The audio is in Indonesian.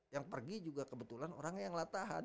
yang pergi juga kebetulan orangnya yang latahan